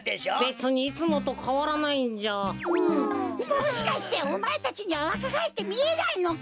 もしかしておまえたちにはわかがえってみえないのか？